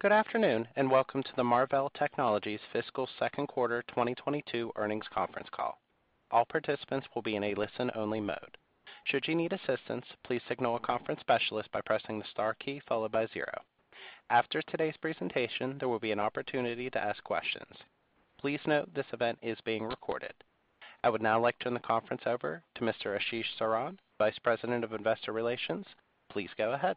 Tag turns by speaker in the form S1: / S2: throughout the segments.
S1: Good afternoon, welcome to the Marvell Technology fiscal second quarter 2022 earnings conference call. All participants will be in a listen-only mode. Should you need assistance, please signal a conference specialist by pressing the star key followed by zero. After today's presentation, there will be an opportunity to ask questions. Please note this event is being recorded. I would now like to turn the conference over to Mr. Ashish Saran, Vice President of Investor Relations. Please go ahead.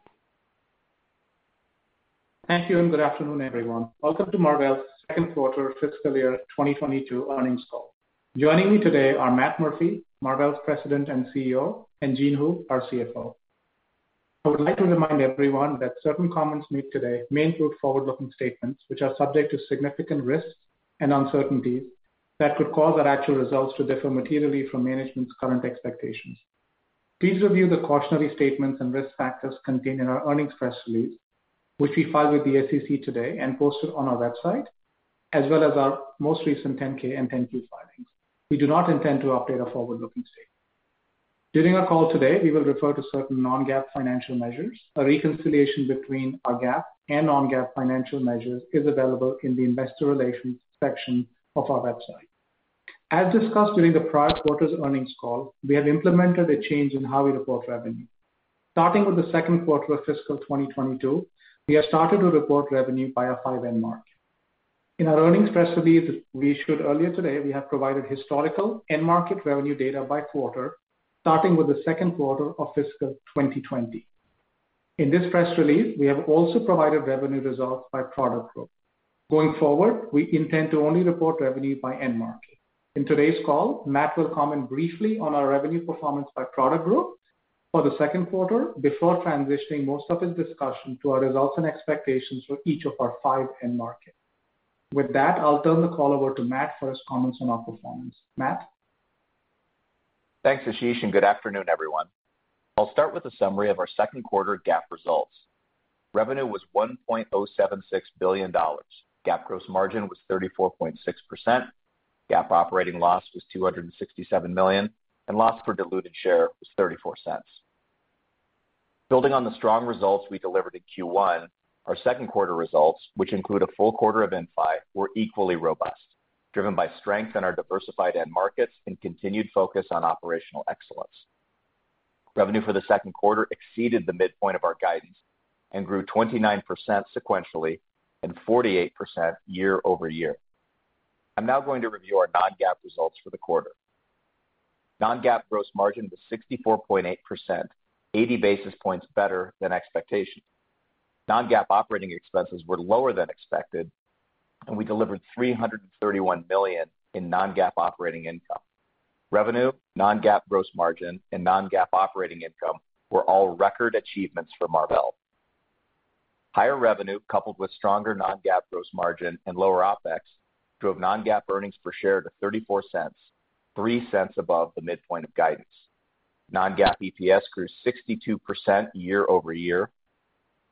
S2: Thank you. Good afternoon, everyone. Welcome to Marvell's second quarter fiscal year 2022 earnings call. Joining me today are Matt Murphy, Marvell's President and CEO, Jean Hu, our CFO. I would like to remind everyone that certain comments made today may include forward-looking statements, which are subject to significant risks and uncertainties that could cause our actual results to differ materially from management's current expectations. Please review the cautionary statements and risk factors contained in our earnings press release, which we filed with the SEC today and posted on our website, as well as our most recent 10-K and 10-Q filings. We do not intend to update our forward-looking statement. During our call today, we will refer to certain non-GAAP financial measures. A reconciliation between our GAAP and non-GAAP financial measures is available in the investor relations section of our website. As discussed during the prior quarter's earnings call, we have implemented a change in how we report revenue. Starting with the second quarter of fiscal 2022, we have started to report revenue by our five end market. In our earnings press release we issued earlier today, we have provided historical end market revenue data by quarter, starting with the second quarter of fiscal 2020. In this press release, we have also provided revenue results by product group. Going forward, we intend to only report revenue by end market. In today's call, Matt will comment briefly on our revenue performance by product group for the second quarter before transitioning most of his discussion to our results and expectations for each of our five end markets. With that, I'll turn the call over to Matt for his comments on our performance. Matt?
S3: Thanks, Ashish, good afternoon, everyone. I'll start with a summary of our second quarter GAAP results. Revenue was $1.076 billion. GAAP gross margin was 34.6%. GAAP operating loss was $267 million, and loss per diluted share was $0.34. Building on the strong results we delivered in Q1, our second quarter results, which include a full quarter of Inphi, were equally robust, driven by strength in our diversified end markets and continued focus on operational excellence. Revenue for the second quarter exceeded the midpoint of our guidance and grew 29% sequentially and 48% year-over-year. I'm now going to review our non-GAAP results for the quarter. Non-GAAP gross margin was 64.8%, 80 basis points better than expectation. Non-GAAP operating expenses were lower than expected, and we delivered $331 million in non-GAAP operating income. Revenue, non-GAAP gross margin, and non-GAAP operating income were all record achievements for Marvell. Higher revenue, coupled with stronger non-GAAP gross margin and lower OpEx, drove non-GAAP earnings per share to $0.34, $0.03 above the midpoint of guidance. Non-GAAP EPS grew 62% year-over-year.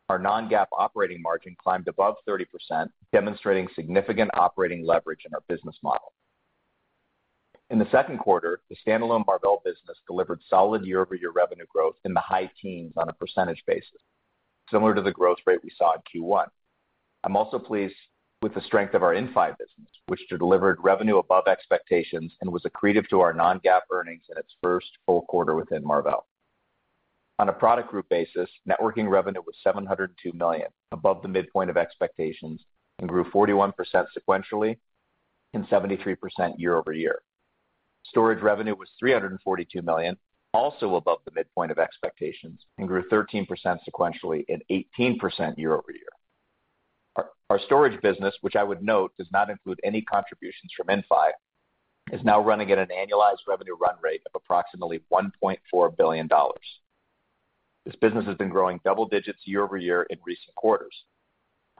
S3: Our non-GAAP operating margin climbed above 30%, demonstrating significant operating leverage in our business model. In the second quarter, the standalone Marvell business delivered solid year-over-year revenue growth in the high teens on a percentage basis, similar to the growth rate we saw in Q1. I'm also pleased with the strength of our Inphi business, which delivered revenue above expectations and was accretive to our non-GAAP earnings in its first full quarter within Marvell. On a product group basis, networking revenue was $702 million, above the midpoint of expectations, and grew 41% sequentially and 73% year-over-year. Storage revenue was $342 million, also above the midpoint of expectations, grew 13% sequentially and 18% year-over-year. Our storage business, which I would note does not include any contributions from Inphi, is now running at an annualized revenue run rate of approximately $1.4 billion. This business has been growing double digits year-over-year in recent quarters,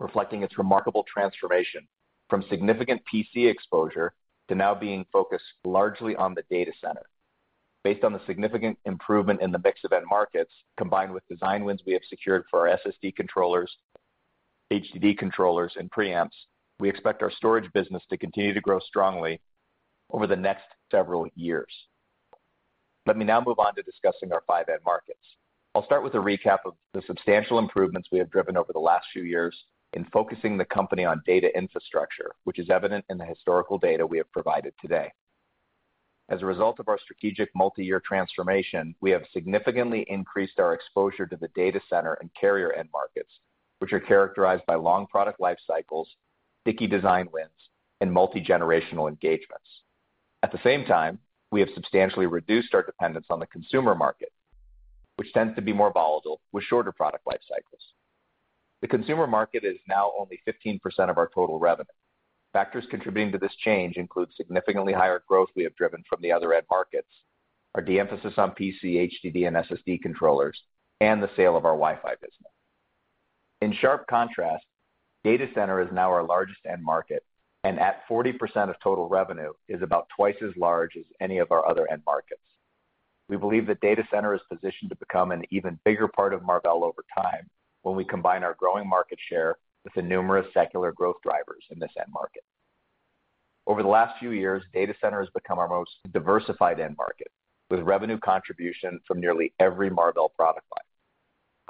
S3: reflecting its remarkable transformation from significant PC exposure to now being focused largely on the data center. Based on the significant improvement in the mix of end markets, combined with design wins we have secured for our SSD controllers, HDD controllers, and preamps, we expect our storage business to continue to grow strongly over the next several years. Let me now move on to discussing our five end markets. I'll start with a recap of the substantial improvements we have driven over the last few years in focusing the company on data infrastructure, which is evident in the historical data we have provided today. As a result of our strategic multi-year transformation, we have significantly increased our exposure to the data center and carrier end markets, which are characterized by long product life cycles, sticky design wins, and multi-generational engagements. At the same time, we have substantially reduced our dependence on the consumer market, which tends to be more volatile with shorter product life cycles. The consumer market is now only 15% of our total revenue. Factors contributing to this change include significantly higher growth we have driven from the other end markets, our de-emphasis on PC, HDD, and SSD controllers, and the sale of our Wi-Fi business. In sharp contrast, data center is now our largest end market and at 40% of total revenue, is about twice as large as any of our other end markets. We believe that data center is positioned to become an even bigger part of Marvell over time when we combine our growing market share with the numerous secular growth drivers in this end market. Over the last few years, data center has become our most diversified end market, with revenue contribution from nearly every Marvell product line.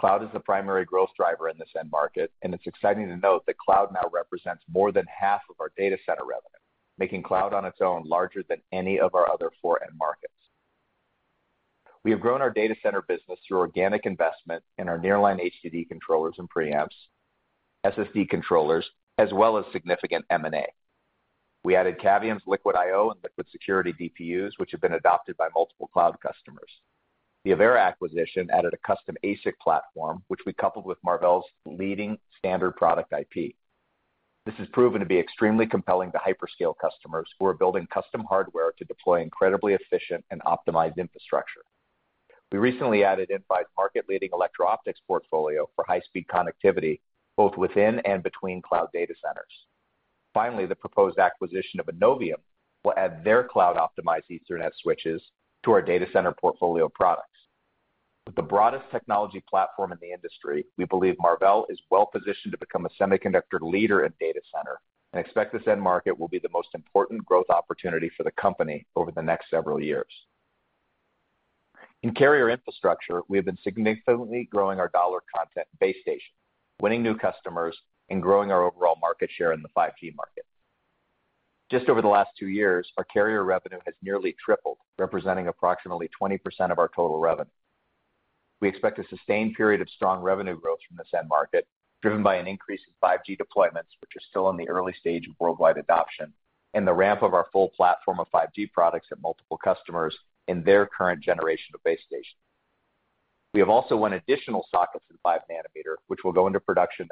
S3: Cloud is the primary growth driver in this end market, and it's exciting to note that cloud now represents more than half of our data center revenue, making cloud on its own larger than any of our other four end markets. We have grown our data center business through organic investment in our nearline HDD controllers and preamps, SSD controllers, as well as significant M&A. We added Cavium's LiquidIO and LiquidSecurity DPUs, which have been adopted by multiple cloud customers. The Avera acquisition added a custom ASIC platform, which we coupled with Marvell's leading standard product IP. This has proven to be extremely compelling to hyperscale customers who are building custom hardware to deploy incredibly efficient and optimized infrastructure. We recently added Inphi's market-leading electro-optics portfolio for high-speed connectivity, both within and between cloud data centers. Finally, the proposed acquisition of Innovium will add their cloud-optimized Ethernet switches to our data center portfolio of products. With the broadest technology platform in the industry, we believe Marvell is well-positioned to become a semiconductor leader in data center and expect this end market will be the most important growth opportunity for the company over the next several years. In carrier infrastructure, we have been significantly growing our dollar content base station, winning new customers, and growing our overall market share in the 5G market. Just over the last two years, our carrier revenue has nearly tripled, representing approximately 20% of our total revenue. We expect a sustained period of strong revenue growth from this end market, driven by an increase in 5G deployments, which are still in the early stage of worldwide adoption, and the ramp of our full platform of 5G products at multiple customers in their current generation of base stations. We have also won additional sockets in five nanometer, which will go into production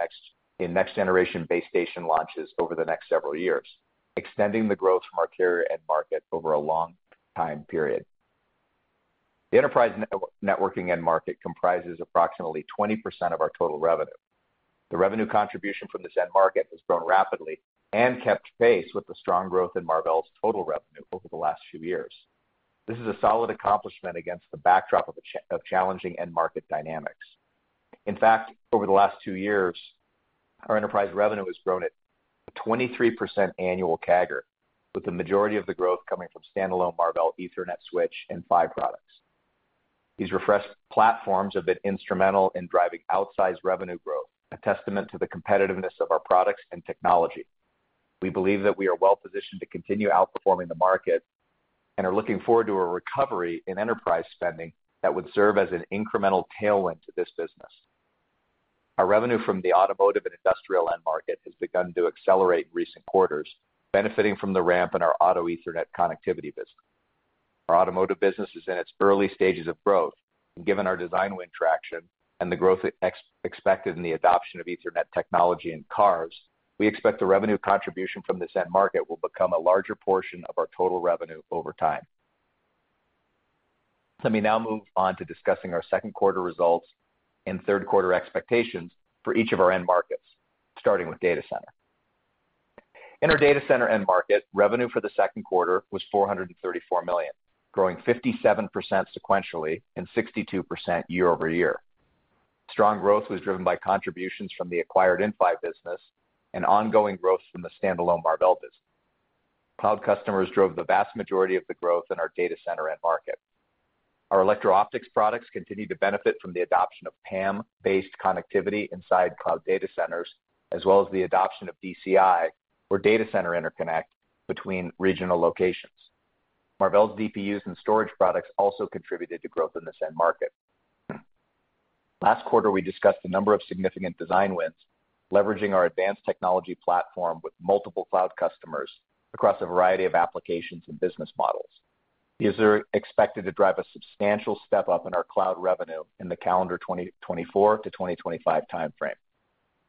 S3: in next-generation base station launches over the next several years, extending the growth from our carrier end market over a long time period. The enterprise networking end market comprises approximately 20% of our total revenue. The revenue contribution from this end market has grown rapidly and kept pace with the strong growth in Marvell's total revenue over the last few years. This is a solid accomplishment against the backdrop of challenging end market dynamics. In fact, over the last two years, our enterprise revenue has grown at a 23% annual CAGR, with the majority of the growth coming from standalone Marvell Ethernet switch and PHY products. These refreshed platforms have been instrumental in driving outsized revenue growth, a testament to the competitiveness of our products and technology. We believe that we are well positioned to continue outperforming the market and are looking forward to a recovery in enterprise spending that would serve as an incremental tailwind to this business. Our revenue from the automotive and industrial end market has begun to accelerate in recent quarters, benefiting from the ramp in our auto Ethernet connectivity business. Our automotive business is in its early stages of growth, and given our design win traction and the growth expected in the adoption of Ethernet technology in cars, we expect the revenue contribution from this end market will become a larger portion of our total revenue over time. Let me now move on to discussing our second quarter results and third quarter expectations for each of our end markets, starting with data center. In our data center end market, revenue for the second quarter was $434 million, growing 57% sequentially and 62% year-over-year. Strong growth was driven by contributions from the acquired Inphi business and ongoing growth from the standalone Marvell business. Cloud customers drove the vast majority of the growth in our data center end market. Our electro-optics products continue to benefit from the adoption of PAM-based connectivity inside cloud data centers, as well as the adoption of DCI or data center interconnect between regional locations. Marvell's DPUs and storage products also contributed to growth in this end market. Last quarter, we discussed a number of significant design wins, leveraging our advanced technology platform with multiple cloud customers across a variety of applications and business models. These are expected to drive a substantial step up in our cloud revenue in the calendar 2024 to 2025 timeframe.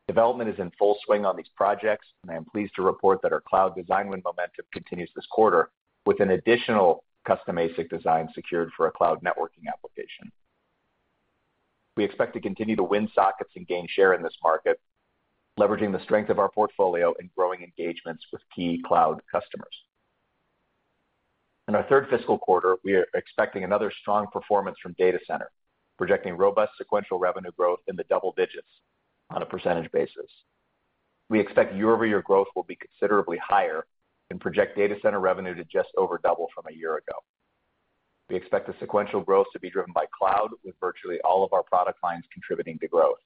S3: Development is in full swing on these projects, and I am pleased to report that our cloud design win momentum continues this quarter with an additional custom ASIC design secured for a cloud networking application. We expect to continue to win sockets and gain share in this market, leveraging the strength of our portfolio and growing engagements with key cloud customers. In our third fiscal quarter, we are expecting another strong performance from data center, projecting robust sequential revenue growth in the double digits on a percentage basis. We expect year-over-year growth will be considerably higher and project data center revenue to just over double from a year ago. We expect the sequential growth to be driven by cloud, with virtually all of our product lines contributing to growth.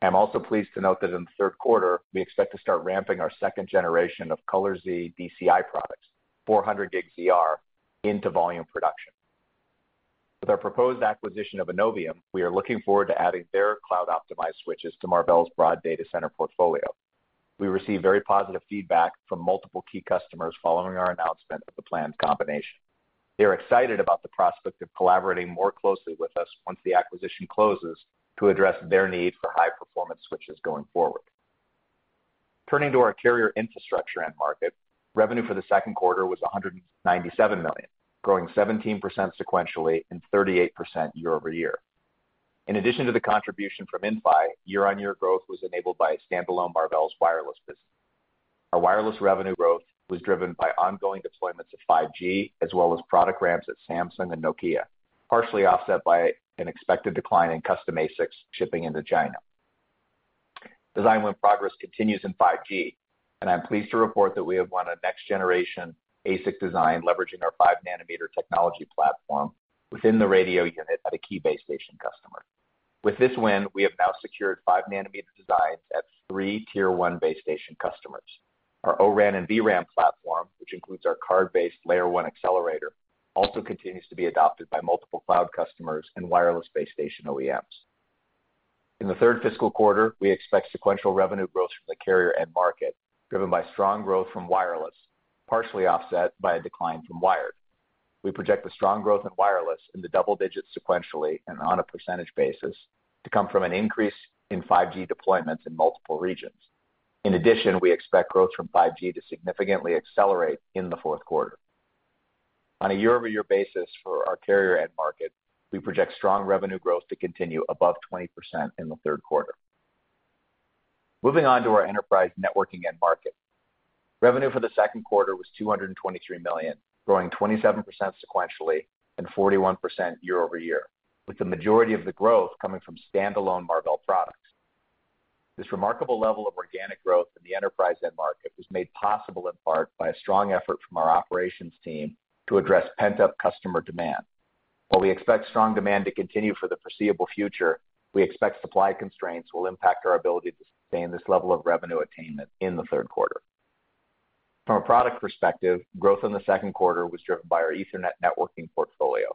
S3: I'm also pleased to note that in the third quarter, we expect to start ramping our second generation of COLORZ DCI products, 400G ZR, into volume production. With our proposed acquisition of Innovium, we are looking forward to adding their cloud-optimized switches to Marvell's broad data center portfolio. We received very positive feedback from multiple key customers following our announcement of the planned combination. They are excited about the prospect of collaborating more closely with us once the acquisition closes to address their need for high performance switches going forward. Turning to our carrier infrastructure end market, revenue for the second quarter was $197 million, growing 17% sequentially and 38% year-over-year. In addition to the contribution from Inphi, year-on-year growth was enabled by standalone Marvell's wireless business. Our wireless revenue growth was driven by ongoing deployments of 5G, as well as product ramps at Samsung and Nokia, partially offset by an expected decline in custom ASICs shipping into China. Design win progress continues in 5G, and I'm pleased to report that we have won a next generation ASIC design leveraging our 5 nm technology platform within the radio unit at a key base station customer. With this win, we have now secured five nanometer designs at three tier one base station customers. Our O-RAN and V-RAN platform, which includes our card-based layer one accelerator, also continues to be adopted by multiple cloud customers and wireless base station OEMs. In the third fiscal quarter, we expect sequential revenue growth from the carrier end market, driven by strong growth from wireless, partially offset by a decline from wired. We project the strong growth in wireless in the double digits sequentially and on a percentage basis to come from an increase in 5G deployments in multiple regions. In addition, we expect growth from 5G to significantly accelerate in the fourth quarter. On a year-over-year basis for our carrier end market, we project strong revenue growth to continue above 20% in the third quarter. Moving on to our enterprise networking end market. Revenue for the second quarter was $223 million, growing 27% sequentially and 41% year-over-year, with the majority of the growth coming from standalone Marvell products. This remarkable level of organic growth in the enterprise end market was made possible in part by a strong effort from our operations team to address pent-up customer demand. While we expect strong demand to continue for the foreseeable future, we expect supply constraints will impact our ability to sustain this level of revenue attainment in the third quarter. From a product perspective, growth in the second quarter was driven by our Ethernet networking portfolio,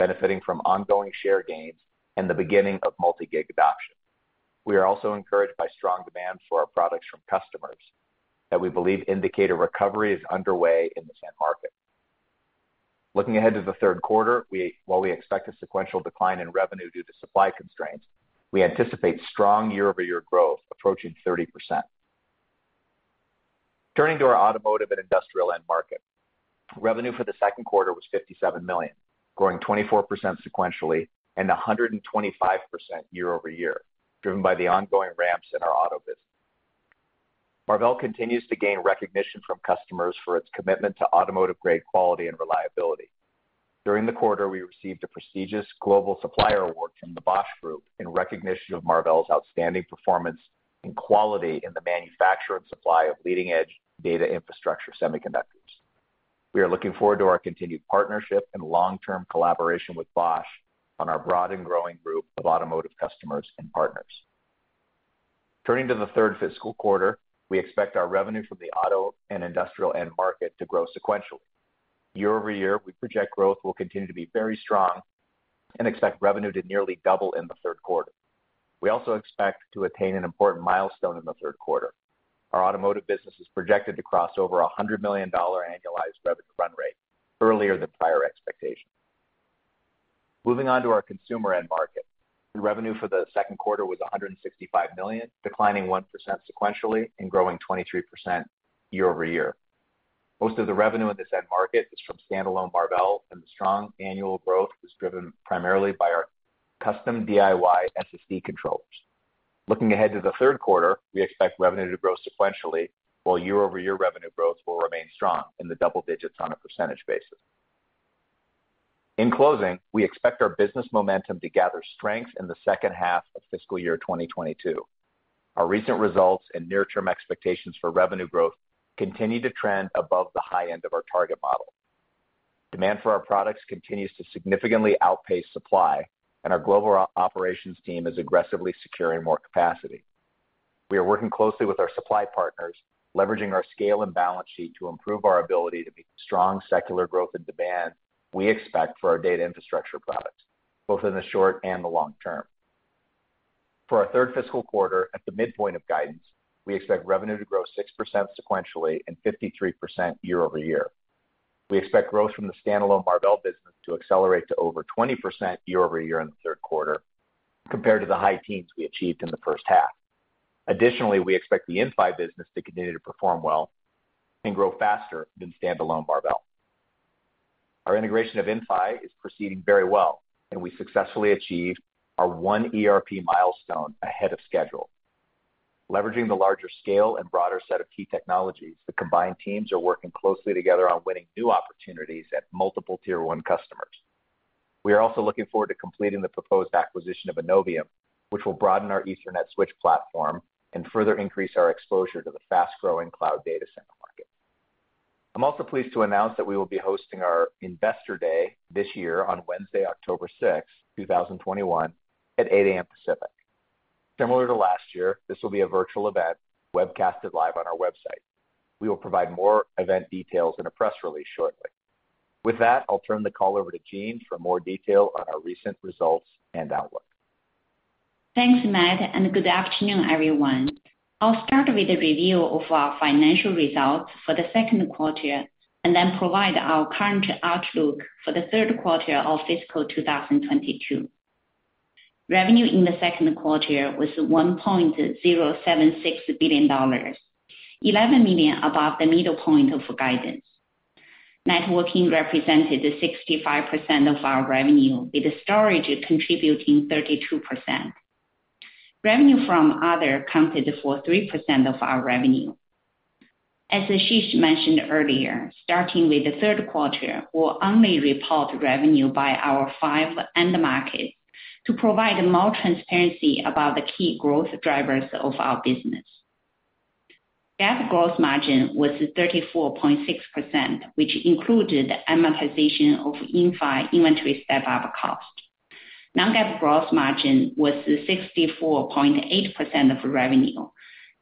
S3: benefiting from ongoing share gains and the beginning of multi-gig adoption. We are also encouraged by strong demand for our products from customers that we believe indicate a recovery is underway in this end market. Looking ahead to the third quarter, while we expect a sequential decline in revenue due to supply constraints, we anticipate strong year-over-year growth approaching 30%. Turning to our automotive and industrial end market. Revenue for the second quarter was $57 million, growing 24% sequentially and 125% year-over-year, driven by the ongoing ramps in our auto business. Marvell continues to gain recognition from customers for its commitment to automotive-grade quality and reliability. During the quarter, we received a prestigious global supplier award from the Bosch Group in recognition of Marvell's outstanding performance and quality in the manufacture and supply of leading-edge data infrastructure semiconductors. We are looking forward to our continued partnership and long-term collaboration with Bosch on our broad and growing group of automotive customers and partners. Turning to the third fiscal quarter, we expect our revenue from the auto and industrial end market to grow sequentially. Year-over-year, we project growth will continue to be very strong and expect revenue to nearly double in the third quarter. We also expect to attain an important milestone in the third quarter. Our automotive business is projected to cross over $100 million annualized revenue run rate, earlier than prior expectations. Moving on to our consumer end market. Revenue for the second quarter was $165 million, declining 1% sequentially and growing 23% year-over-year. Most of the revenue in this end market is from standalone Marvell, and the strong annual growth was driven primarily by our custom DIY SSD controllers. Looking ahead to the third quarter, we expect revenue to grow sequentially, while year-over-year revenue growth will remain strong in the double digits on a percentage basis. In closing, we expect our business momentum to gather strength in the second half of fiscal year 2022. Our recent results and near-term expectations for revenue growth continue to trend above the high end of our target model. Demand for our products continues to significantly outpace supply, and our global operations team is aggressively securing more capacity. We are working closely with our supply partners, leveraging our scale and balance sheet to improve our ability to meet the strong secular growth and demand we expect for our data infrastructure products, both in the short and the long term. For our third fiscal quarter, at the midpoint of guidance, we expect revenue to grow 6% sequentially and 53% year-over-year. We expect growth from the standalone Marvell business to accelerate to over 20% year-over-year in the third quarter compared to the high teens we achieved in the first half. Additionally, we expect the Inphi business to continue to perform well and grow faster than standalone Marvell. Our integration of Inphi is proceeding very well and we successfully achieved our one ERP milestone ahead of schedule. Leveraging the larger scale and broader set of key technologies, the combined teams are working closely together on winning new opportunities at multiple tier one customers. We are also looking forward to completing the proposed acquisition of Innovium, which will broaden our Ethernet switch platform and further increase our exposure to the fast-growing cloud data center market. I'm also pleased to announce that we will be hosting our investor day this year on Wednesday, October 6th, 2021 at 8:00 A.M. Pacific. Similar to last year, this will be a virtual event webcasted live on our website. We will provide more event details in a press release shortly. With that, I'll turn the call over to Jean for more detail on our recent results and outlook.
S4: Thanks, Matt, and good afternoon, everyone. I'll start with a review of our financial results for the second quarter and then provide our current outlook for the third quarter of FY 2022. Revenue in the second quarter was $1.076 billion, $11 million above the middle point of guidance. Networking represented 65% of our revenue, with storage contributing 32%. Revenue from other accounted for 3% of our revenue. As Ashish mentioned earlier, starting with the third quarter, we'll only report revenue by our five end markets to provide more transparency about the key growth drivers of our business. GAAP gross margin was 34.6%, which included amortization of Inphi inventory step-up cost. Non-GAAP gross margin was 64.8% of revenue,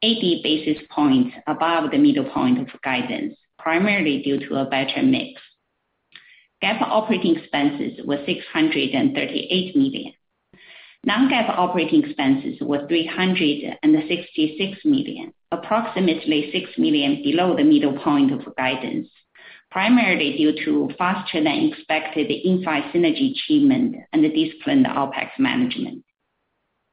S4: 80 basis points above the middle point of guidance, primarily due to a better mix. GAAP operating expenses were $638 million. Non-GAAP operating expenses were $366 million, approximately $6 million below the middle point of guidance, primarily due to faster than expected Inphi synergy achievement and disciplined OpEx management.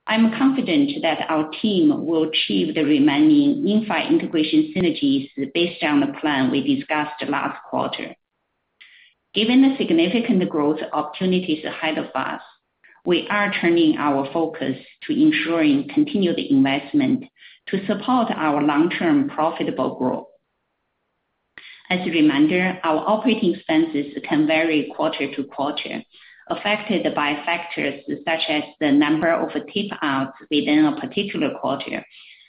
S4: I'm confident that our team will achieve the remaining Inphi integration synergies based on the plan we discussed last quarter. Given the significant growth opportunities ahead of us, we are turning our focus to ensuring continued investment to support our long-term profitable growth. As a reminder, our operating expenses can vary quarter-to-quarter, affected by factors such as the number of tape-outs within a particular quarter.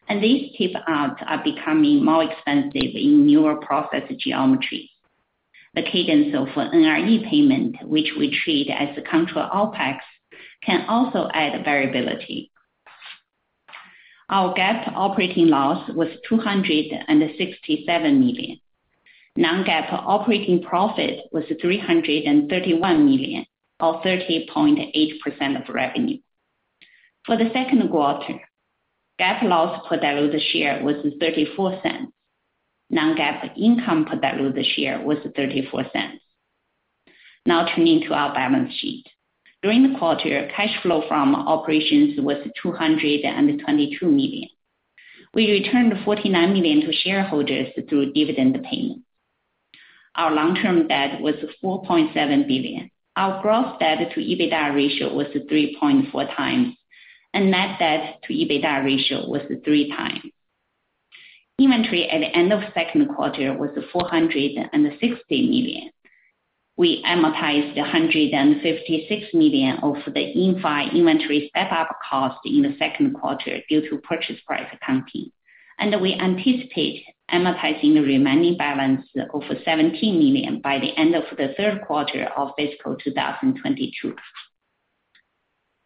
S4: These tape-outs are becoming more expensive in newer process geometry. The cadence of NRE payment, which we treat as contra-OpEx, can also add variability. Our GAAP operating loss was $267 million. Non-GAAP operating profit was $331 million, or 30.8% of revenue. For the second quarter, GAAP loss per diluted share was $0.34. Non-GAAP income per diluted share was $0.34. Now turning to our balance sheet. During the quarter, cash flow from operations was $222 million. We returned $49 million to shareholders through dividend payment. Our long-term debt was $4.7 billion. Our gross debt to EBITDA ratio was 3.4x, and net debt to EBITDA ratio was three times. Inventory at the end of second quarter was $460 million. We amortized $156 million of the Inphi inventory step-up cost in the second quarter due to purchase price accounting, and we anticipate amortizing the remaining balance of $17 million by the end of the third quarter of fiscal 2022.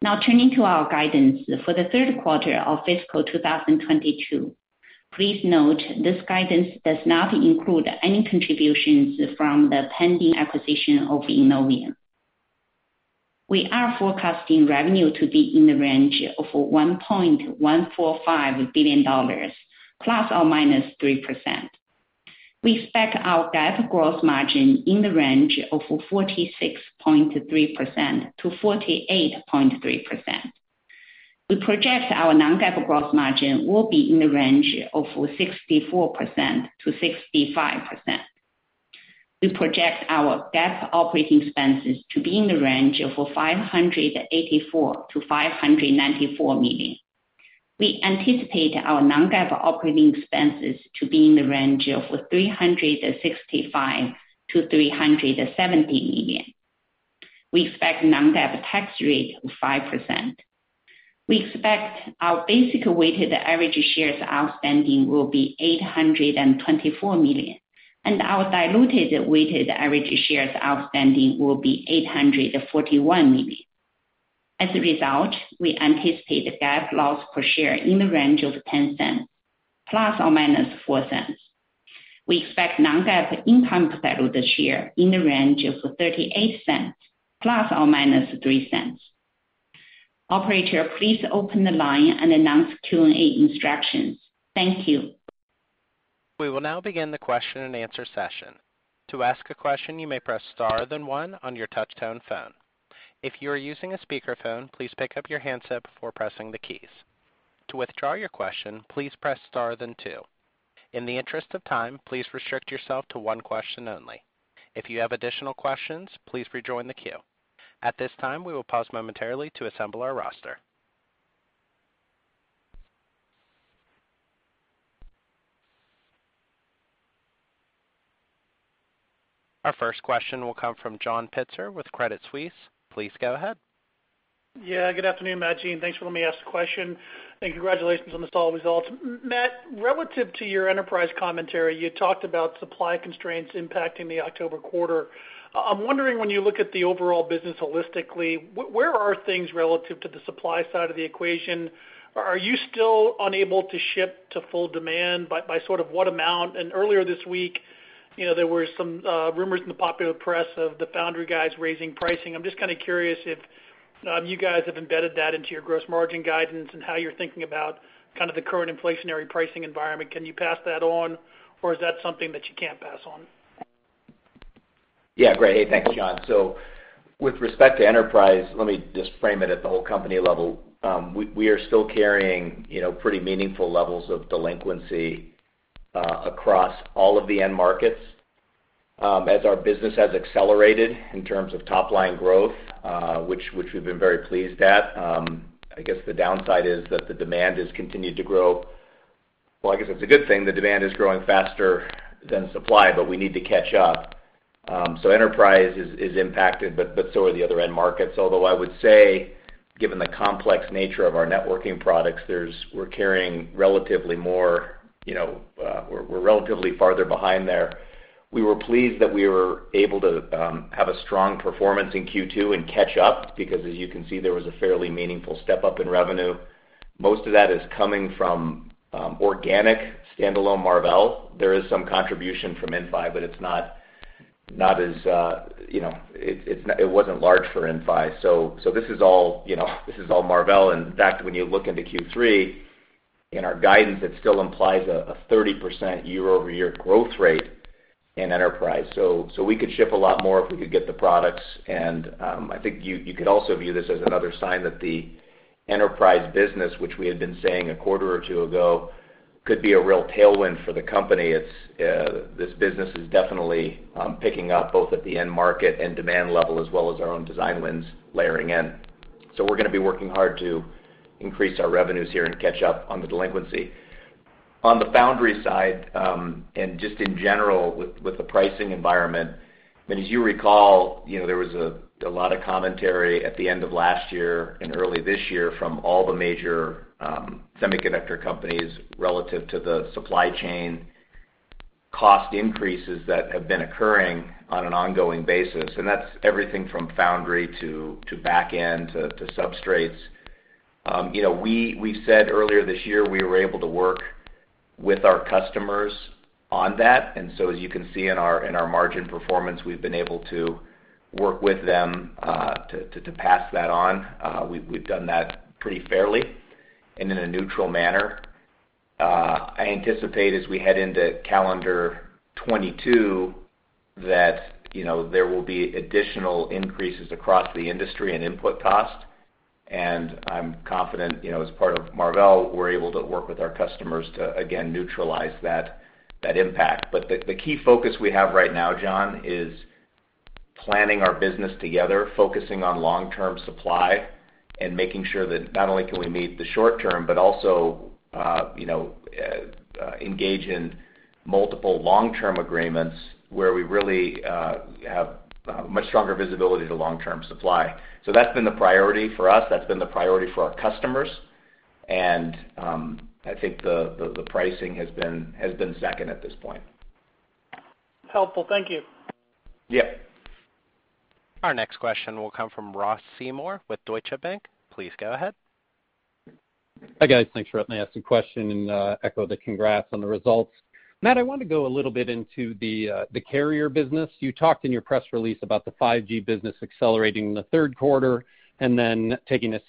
S4: Now, turning to our guidance for the third quarter of fiscal 2022. Please note, this guidance does not include any contributions from the pending acquisition of Innovium. We are forecasting revenue to be in the range of $1.145 billion, ±3%. We expect our GAAP gross margin in the range of 46.3% to 48.3%. We project our non-GAAP gross margin will be in the range of 64%-65%. We project our GAAP operating expenses to be in the range of $584 million-$594 million. We anticipate our non-GAAP operating expenses to be in the range of $365 million-$370 million. We expect non-GAAP tax rate of 5%. We expect our basic weighted average shares outstanding will be 824 million, and our diluted weighted average shares outstanding will be 841 million. As a result, we anticipate GAAP loss per share in the range of $0.10, ±$0.04. We expect non-GAAP income per diluted share in the range of $0.38, ±$0.03. Operator, please open the line and announce Q&A instructions. Thank you.
S1: We will now begin the question and answer session to ask a question. You may press star then one on your touchtone phone if you are using a speakerphone, please pick up your handset before pressing the keys. To withdraw your question, please press star then two. In the interest of time, please restrict yourself to one question only if you have additional questions. Please rejoin the queue at this time. We will pause momentarily to assemble our roster. Our first question will come from John Pitzer with Credit Suisse. Please go ahead.
S5: Yeah. Good afternoon, Matt, Jean. Thanks for letting me ask the question, and congratulations on the solid results. Matt, relative to your enterprise commentary, you talked about supply constraints impacting the October quarter. I'm wondering, when you look at the overall business holistically, where are things relative to the supply side of the equation? Are you still unable to ship to full demand? By what amount? Earlier this week, there were some rumors in the popular press of the foundry guys raising pricing. I'm just kind of curious if you guys have embedded that into your gross margin guidance and how you're thinking about the current inflationary pricing environment. Can you pass that on, or is that something that you can't pass on?
S3: Yeah, great. Hey, thanks, John. With respect to enterprise, let me just frame it at the whole company level. We are still carrying pretty meaningful levels of delinquency across all of the end markets. As our business has accelerated in terms of top-line growth, which we've been very pleased at, I guess the downside is that the demand has continued to grow. Well, I guess it's a good thing the demand is growing faster than supply, but we need to catch up. Enterprise is impacted, but so are the other end markets. Although I would say, given the complex nature of our networking products, we're relatively farther behind there. We were pleased that we were able to have a strong performance in Q2 and catch up because, as you can see, there was a fairly meaningful step-up in revenue. Most of that is coming from organic standalone Marvell. There is some contribution from Inphi, but it wasn't large for Inphi. This is all Marvell. In fact, when you look into Q3, in our guidance, it still implies a 30% year-over-year growth rate in Enterprise. We could ship a lot more if we could get the products. I think you could also view this as another sign that the Enterprise business, which we had been saying a quarter or two ago, could be a real tailwind for the company. This business is definitely picking up both at the end market and demand level, as well as our own design wins layering in. We're going to be working hard to increase our revenues here and catch up on the delinquency. On the foundry side, and just in general with the pricing environment, and as you recall, there was a lot of commentary at the end of last year and early this year from all the major semiconductor companies relative to the supply chain cost increases that have been occurring on an ongoing basis. That's everything from foundry to back end to substrates. We said earlier this year we were able to work with our customers on that. As you can see in our margin performance, we've been able to work with them to pass that on. We've done that pretty fairly and in a neutral manner. I anticipate as we head into calendar 2022 that there will be additional increases across the industry in input cost, and I'm confident as part of Marvell, we're able to work with our customers to, again, neutralize that impact. The key focus we have right now, John, is planning our business together, focusing on long-term supply, and making sure that not only can we meet the short term, but also engage in multiple long-term agreements where we really have much stronger visibility to long-term supply. That's been the priority for us. That's been the priority for our customers, and I think the pricing has been second at this point.
S5: Helpful. Thank you.
S3: Yeah.
S1: Our next question will come from Ross Seymore with Deutsche Bank. Please go ahead.
S6: Hi, guys. Thanks for letting me ask the question, and echo the congrats on the results. Matt, I want to go a little bit into the carrier business. You talked in your press release about the 5G business accelerating in the third quarter and then taking a,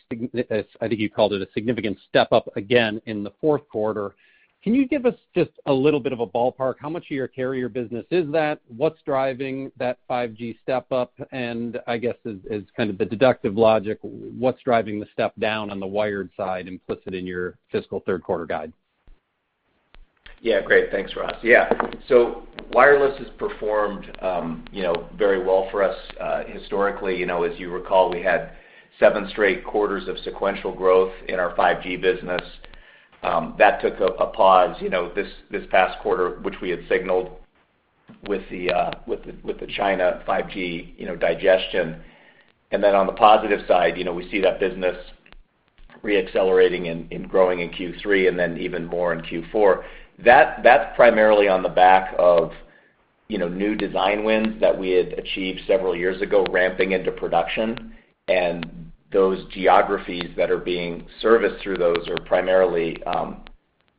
S6: I think you called it, a significant step up again in the fourth quarter. Can you give us just a little bit of a ballpark? How much of your carrier business is that? What's driving that 5G step up? I guess as kind of the deductive logic, what's driving the step down on the wired side implicit in your fiscal third quarter guide?
S3: Great. Thanks, Ross. Wireless has performed very well for us historically. As you recall, we had seven straight quarters of sequential growth in our 5G business. That took a pause this past quarter, which we had signaled with the China 5G digestion. On the positive side, we see that business re-accelerating and growing in Q3 and even more in Q4. That's primarily on the back of new design wins that we had achieved several years ago ramping into production. Those geographies that are being serviced through those are primarily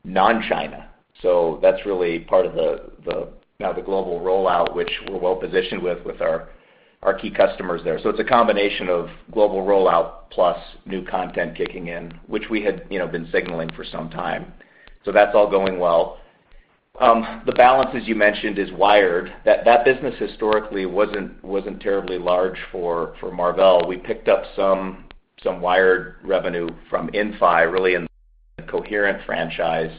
S3: non-China. That's really part of the global rollout, which we're well positioned with our key customers there. It's a combination of global rollout plus new content kicking in, which we had been signaling for some time. That's all going well. The balance, as you mentioned, is wired. That business historically wasn't terribly large for Marvell. We picked up some wired revenue from Inphi, really in the coherent franchise,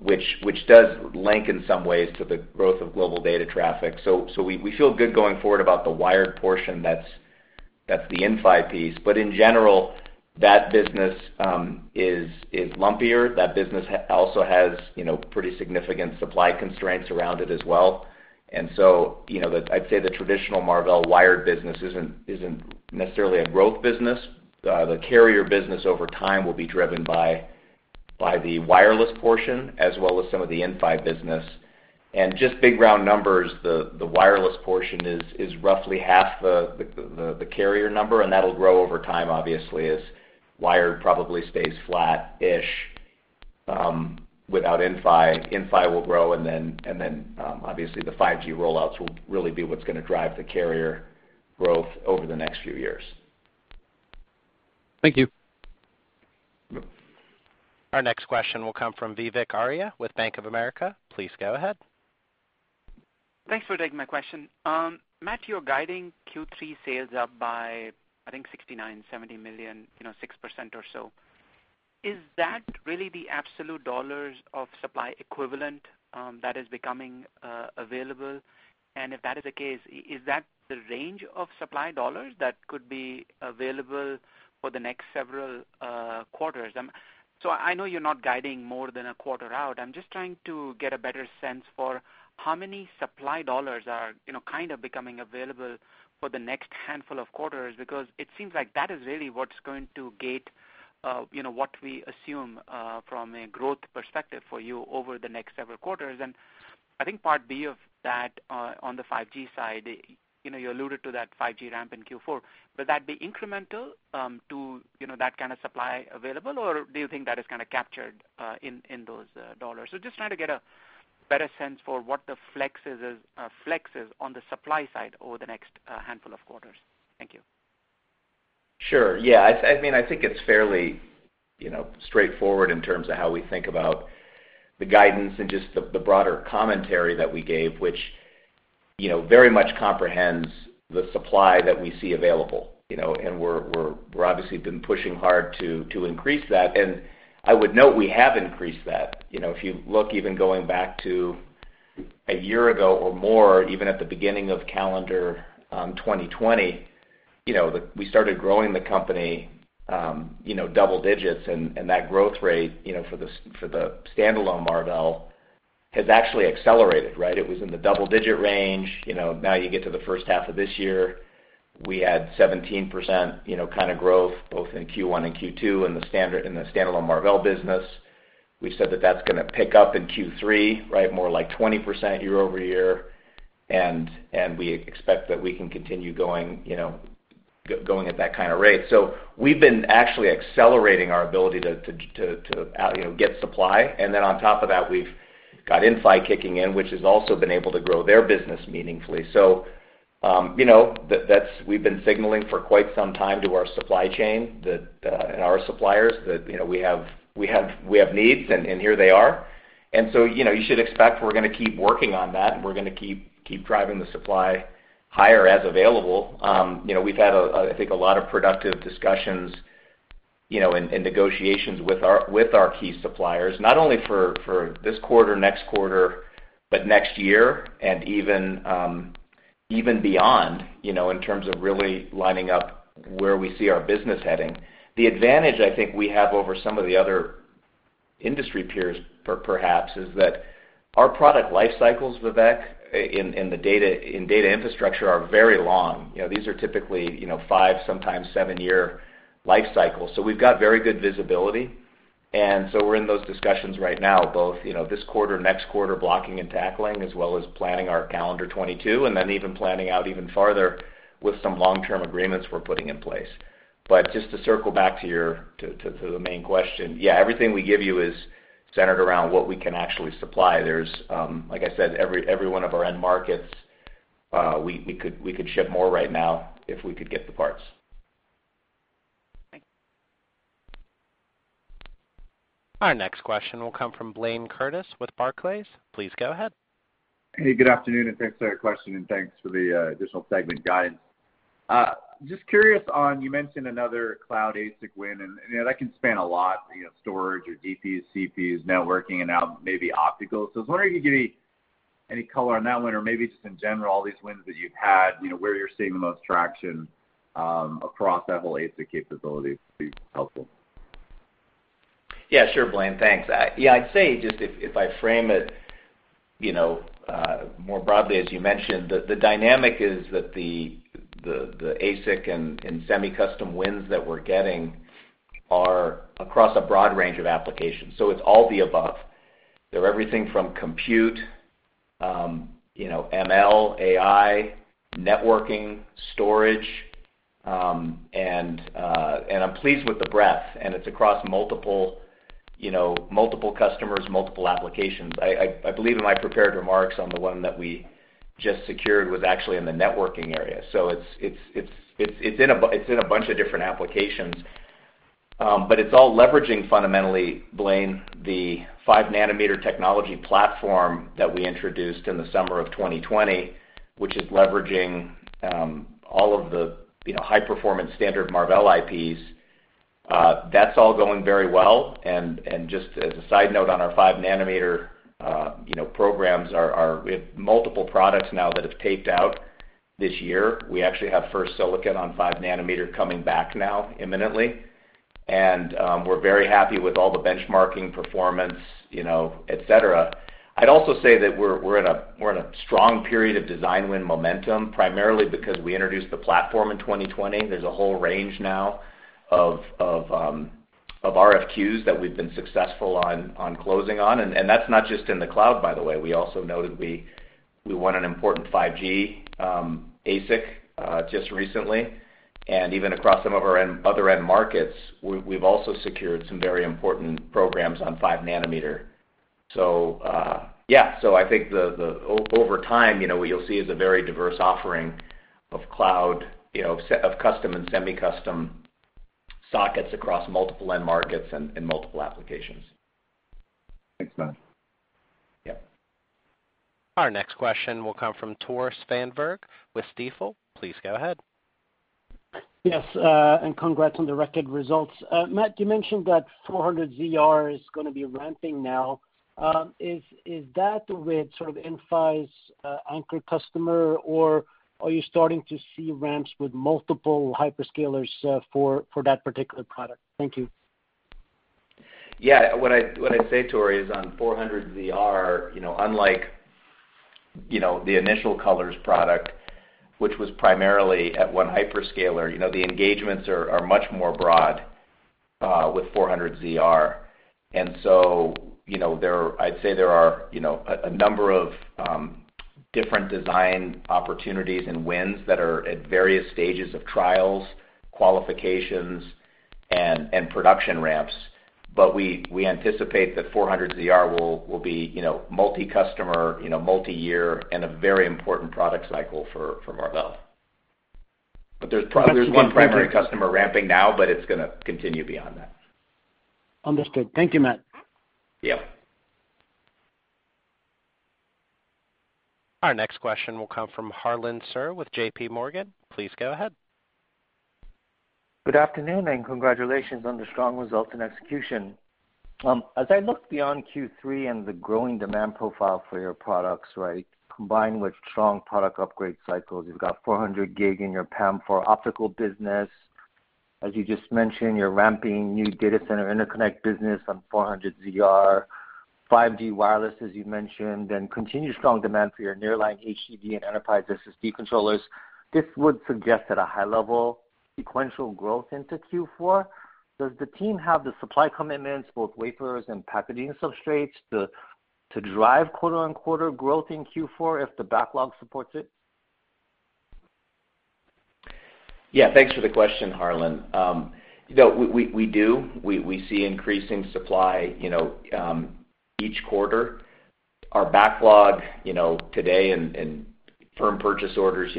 S3: which does link in some ways to the growth of global data traffic. We feel good going forward about the wired portion that's the Inphi piece. In general, that business is lumpier. That business also has pretty significant supply constraints around it as well. I'd say the traditional Marvell wired business isn't necessarily a growth business. The carrier business over time will be driven by the wireless portion as well as some of the Inphi business. Just big round numbers, the wireless portion is roughly half the carrier number, and that'll grow over time, obviously, as wired probably stays flat-ish without Inphi. Inphi will grow, and then obviously the 5G rollouts will really be what's going to drive the carrier growth over the next few years.
S6: Thank you.
S1: Our next question will come from Vivek Arya with Bank of America. Please go ahead.
S7: Thanks for taking my question. Matt, you're guiding Q3 sales up by, I think $69 million-$70 million, 6% or so. Is that really the absolute dollars of supply equivalent that is becoming available? If that is the case, is that the range of supply dollars that could be available for the next several quarters? I know you're not guiding more than a quarter out. I'm just trying to get a better sense for how many supply dollars are becoming available for the next handful of quarters, because it seems like that is really what's going to gate what we assume from a growth perspective for you over the next several quarters. I think part B of that on the 5G side, you alluded to that 5G ramp in Q4. Would that be incremental to that kind of supply available, or do you think that is captured in those dollars? Just trying to get a better sense for what the flex is on the supply side over the next handful of quarters. Thank you.
S3: Sure. Yeah. I think it's fairly straightforward in terms of how we think about the guidance and just the broader commentary that we gave, which very much comprehends the supply that we see available. We're obviously been pushing hard to increase that, and I would note we have increased that. If you look even going back to a year ago or more, even at the beginning of calendar 2020, we started growing the company double digits. That growth rate, for the standalone Marvell, has actually accelerated. Right? It was in the double-digit range. Now you get to the first half of this year, we had 17% kind of growth both in Q1 and Q2 in the standalone Marvell business. We said that that's going to pick up in Q3, more like 20% year-over-year. We expect that we can continue going at that kind of rate. We've been actually accelerating our ability to get supply. On top of that, we've got Inphi kicking in, which has also been able to grow their business meaningfully. We've been signaling for quite some time to our supply chain and our suppliers that we have needs, and here they are. You should expect we're going to keep working on that, and we're going to keep driving the supply higher as available. We've had, I think, a lot of productive discussions and negotiations with our key suppliers, not only for this quarter, next quarter, but next year and even beyond, in terms of really lining up where we see our business heading. The advantage I think we have over some of the other industry peers, perhaps, is that our product life cycles, Vivek, in data infrastructure, are very long. These are typically five, sometimes seven-year life cycles. We've got very good visibility. We're in those discussions right now, both this quarter, next quarter, blocking and tackling, as well as planning our calendar 2022, and then even planning out even farther with some long-term agreements we're putting in place. Just to circle back to the main question, yeah, everything we give you is centered around what we can actually supply. There's, like I said, every one of our end markets, we could ship more right now if we could get the parts.
S7: Thank you.
S1: Our next question will come from Blayne Curtis with Barclays. Please go ahead.
S8: Hey, good afternoon. Thanks for the question, and thanks for the additional segment guidance. Just curious on, you mentioned another cloud ASIC win. That can span a lot, storage or DPs, CPs, networking, and now maybe optical. I was wondering if you could give me any color on that one, or maybe just in general, all these wins that you've had, where you're seeing the most traction across that whole ASIC capability would be helpful.
S3: Yeah, sure, Blayne, thanks. I'd say just if I frame it more broadly, as you mentioned, the dynamic is that the ASIC and semi-custom wins that we're getting are across a broad range of applications. It's all the above. They're everything from compute, ML, AI, networking, storage, and I'm pleased with the breadth, and it's across multiple customers, multiple applications. I believe in my prepared remarks on the one that we just secured was actually in the networking area. It's in a bunch of different applications. It's all leveraging, fundamentally, Blayne, the five-nanometer technology platform that we introduced in the summer of 2020, which is leveraging all of the high-performance standard Marvell IPs. That's all going very well, and just as a side note on our five-nanometer programs, we have multiple products now that have taped out this year. We actually have first silicon on five nanometer coming back now imminently. We're very happy with all the benchmarking performance et cetera. I'd also say that we're in a strong period of design win momentum, primarily because we introduced the platform in 2020. There's a whole range now of RFQs that we've been successful on closing on, and that's not just in the cloud, by the way. We also noted we won an important 5G ASIC just recently. Even across some of our other end markets, we've also secured some very important programs on five nanometer. Yeah. I think over time, what you'll see is a very diverse offering of cloud, of custom and semi-custom sockets across multiple end markets and multiple applications.
S8: Thanks, Matt.
S3: Yeah.
S1: Our next question will come from Tore Svanberg with Stifel. Please go ahead.
S9: Yes, congrats on the record results. Matt, you mentioned that 400ZR is going to be ramping now. Is that with sort of Inphi's anchor customer, or are you starting to see ramps with multiple hyperscalers for that particular product? Thank you.
S3: Yeah. What I'd say, Tore, is on 400ZR, unlike the initial COLORZ product, which was primarily at one hyperscaler, the engagements are much more broad with 400ZR. I'd say there are a number of different design opportunities and wins that are at various stages of trials, qualifications and production ramps. We anticipate that 400ZR will be multi-customer, multi-year, and a very important product cycle for Marvell. There's probably one primary customer ramping now, but it's going to continue beyond that.
S9: Understood. Thank you, Matt.
S3: Yep.
S1: Our next question will come from Harlan Sur with JPMorgan. Please go ahead.
S10: Good afternoon and congratulations on the strong results and execution. As I look beyond Q3 and the growing demand profile for your products, right, combined with strong product upgrade cycles, you've got 400G in your PAM4 optical business. As you just mentioned, you're ramping new data center interconnect business on 400ZR, 5G wireless, as you mentioned, and continued strong demand for your nearline HDD and enterprise SSD controllers. This would suggest at a high level sequential growth into Q4. Does the team have the supply commitments, both wafers and packaging substrates, to drive quarter-on-quarter growth in Q4 if the backlog supports it?
S3: Yeah, thanks for the question, Harlan. We do. We see increasing supply each quarter. Our backlog today and firm purchase orders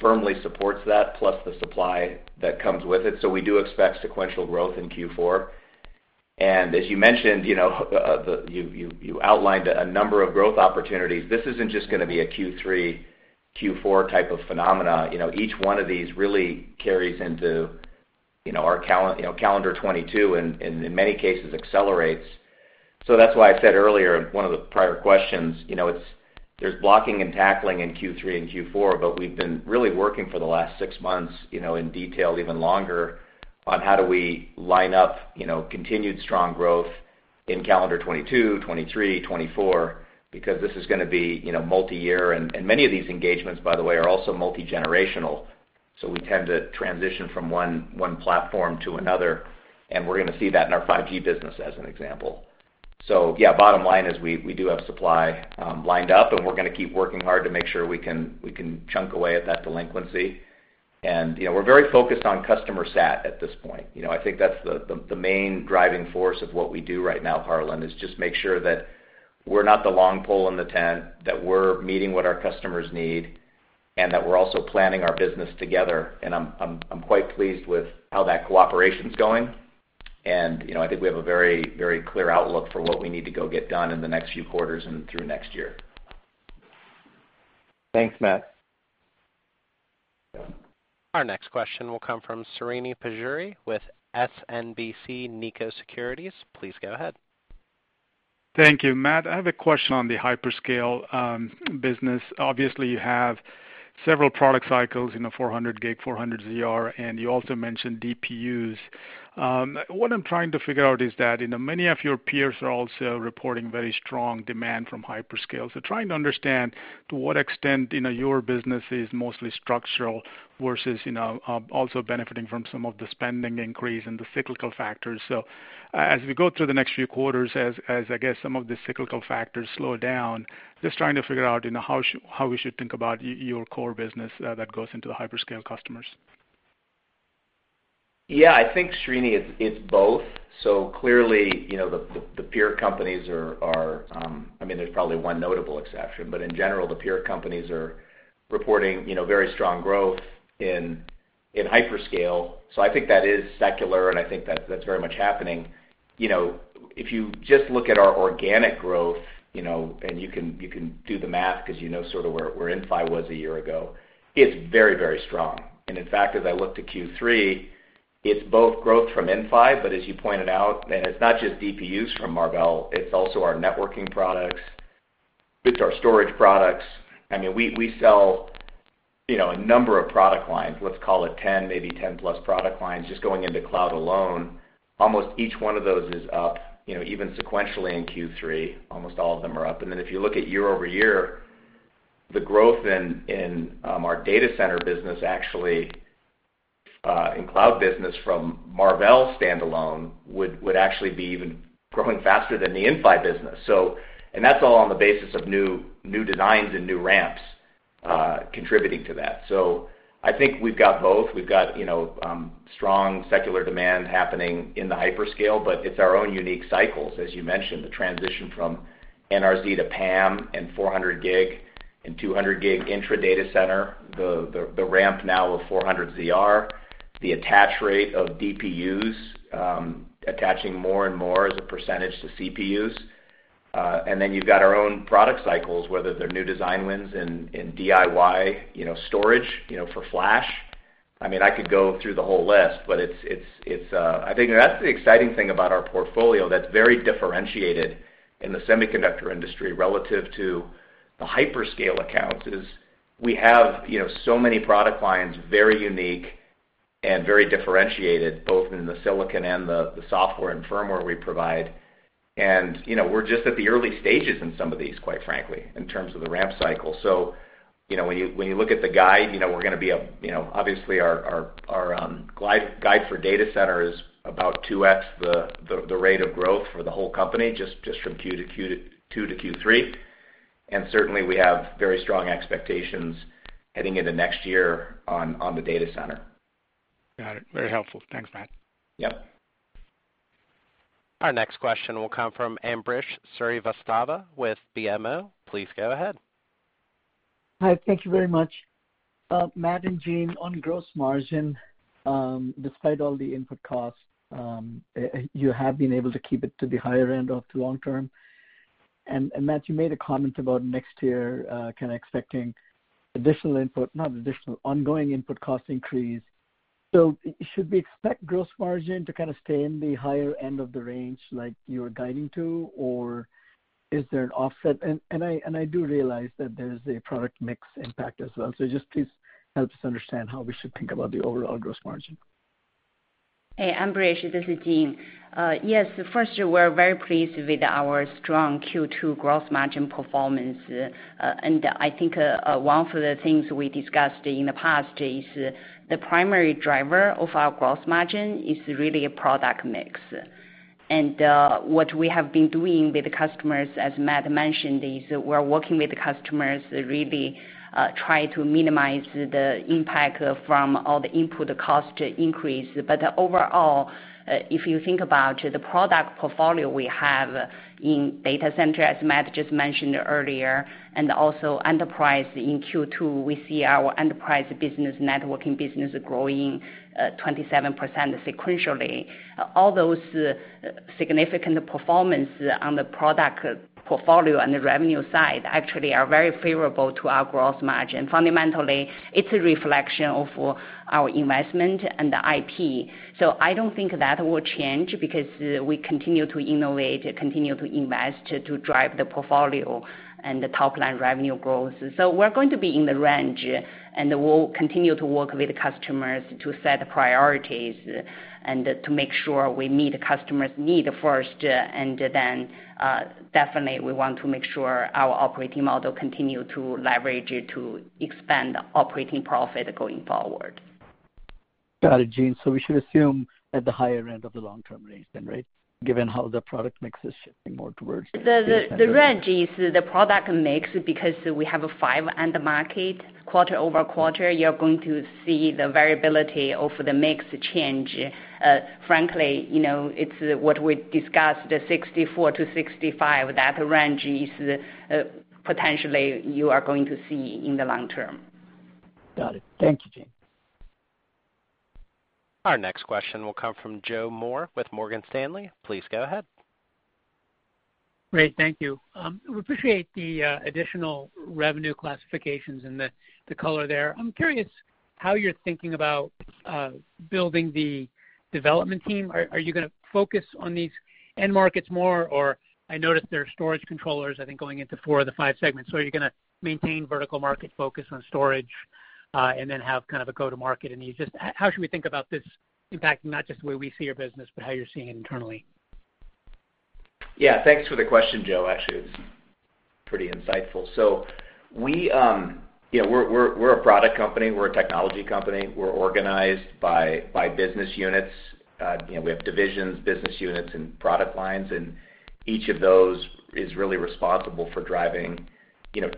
S3: firmly supports that, plus the supply that comes with it. We do expect sequential growth in Q4. As you mentioned, you outlined a number of growth opportunities. This isn't just going to be a Q3, Q4 type of phenomena. Each one of these really carries into our calendar 2022, in many cases accelerates. That's why I said earlier in one of the prior questions, there's blocking and tackling in Q3 and Q4, we've been really working for the last six months, in detail even longer, on how do we line up continued strong growth in calendar 2022, 2023, 2024, because this is going to be multi-year. Many of these engagements, by the way, are also multi-generational. We tend to transition from one platform to another, and we're going to see that in our 5G business as an example. Yeah, bottom line is we do have supply lined up, and we're going to keep working hard to make sure we can chunk away at that delinquency. We're very focused on customer sat at this point. I think that's the main driving force of what we do right now, Harlan, is just make sure that we're not the long pole in the tent, that we're meeting what our customers need, and that we're also planning our business together. I'm quite pleased with how that cooperation's going, and I think we have a very clear outlook for what we need to go get done in the next few quarters and through next year.
S10: Thanks, Matt.
S1: Our next question will come from Srini Pajjuri with SMBC Nikko Securities. Please go ahead.
S11: Thank you. Matt, I have a question on the hyperscale business. Obviously, you have several product cycles in the 400G, 400ZR, and you also mentioned DPUs. What I'm trying to figure out is that many of your peers are also reporting very strong demand from hyperscale. Trying to understand to what extent your business is mostly structural versus also benefiting from some of the spending increase and the cyclical factors. As we go through the next few quarters, as I guess some of the cyclical factors slow down, just trying to figure out how we should think about your core business that goes into the hyperscale customers.
S3: Yeah, I think Srini, it's both. Clearly, there's probably one notable exception, but in general, the peer companies are reporting very strong growth in hyperscale. I think that is secular, and I think that's very much happening. If you just look at our organic growth, you can do the math because you know sort of where Inphi was a year ago. It's very strong. In fact, as I look to Q3, it's both growth from Inphi, but as you pointed out, and it's not just DPUs from Marvell, it's also our networking products. It's our storage products. We sell a number of product lines, let's call it 10, maybe 10+ product lines, just going into cloud alone. Almost each one of those is up, even sequentially in Q3. Almost all of them are up. If you look at year-over-year, the growth in our data center business, actually in cloud business from Marvell standalone, would actually be even growing faster than the Inphi business. That's all on the basis of new designs and new ramps contributing to that. I think we've got both. We've got strong secular demand happening in the hyperscale, but it's our own unique cycles. As you mentioned, the transition from NRZ to PAM and 400G and 200G intra data center, the ramp now of 400ZR. The attach rate of DPUs attaching more and more as a percentage to CPUs. Then you've got our own product cycles, whether they're new design wins in DIY storage for flash. I could go through the whole list, but I think that's the exciting thing about our portfolio that's very differentiated in the semiconductor industry relative to the hyperscale accounts, is we have so many product lines, very unique and very differentiated, both in the silicon and the software and firmware we provide. We're just at the early stages in some of these, quite frankly, in terms of the ramp cycle. When you look at the guide, obviously our guide for data center is about 2x the rate of growth for the whole company, just from Q2 to Q3. Certainly, we have very strong expectations heading into next year on the data center.
S11: Got it. Very helpful. Thanks, Matt.
S3: Yep.
S1: Our next question will come from Ambrish Srivastava with BMO. Please go ahead.
S12: Hi. Thank you very much. Matt and Jean, on gross margin, despite all the input costs, you have been able to keep it to the higher end of the long term. Matt, you made a comment about next year, kind of expecting additional input, not additional, ongoing input cost increase. Should we expect gross margin to kind of stay in the higher end of the range like you're guiding to, or is there an offset? I do realize that there's a product mix impact as well. Just please help us understand how we should think about the overall gross margin.
S4: Hey, Ambrish, this is Jean. Yes, first, we're very pleased with our strong Q2 gross margin performance. I think one of the things we discussed in the past is the primary driver of our gross margin is really a product mix. What we have been doing with the customers, as Matt mentioned, is we're working with the customers to really try to minimize the impact from all the input cost increase. Overall, if you think about the product portfolio we have in data center, as Matt just mentioned earlier, and also enterprise in Q2, we see our enterprise business, networking business growing 27% sequentially. All those significant performance on the product portfolio and the revenue side actually are very favorable to our gross margin. Fundamentally, it's a reflection of our investment and the IP. I don't think that will change because we continue to innovate, continue to invest to drive the portfolio and the top-line revenue growth. We're going to be in the range, and we'll continue to work with customers to set priorities and to make sure we meet customer's need first, and then definitely we want to make sure our operating model continue to leverage it to expand operating profit going forward.
S12: Got it, Jean. We should assume at the higher end of the long-term range then, right? Given how the product mix is shifting more towards data center.
S4: The range is the product mix because we have a five end market quarter-over-quarter, you're going to see the variability of the mix change. Frankly, it's what we discussed, the 64 to 65, that range is potentially you are going to see in the long term.
S12: Got it. Thank you, Jean.
S1: Our next question will come from Joe Moore with Morgan Stanley. Please go ahead.
S13: Great. Thank you. We appreciate the additional revenue classifications and the color there. I'm curious how you're thinking about building the development team. Are you going to focus on these end markets more, or I noticed there are storage controllers, I think going into four of the five segments. Are you going to maintain vertical market focus on storage, and then have kind of a go to market? How should we think about this impacting not just the way we see your business, but how you're seeing it internally?
S3: Yeah. Thanks for the question, Joseph Moore. Actually, it was pretty insightful. We're a product company. We're a technology company. We're organized by business units. We have divisions, business units, and product lines, and each of those is really responsible for driving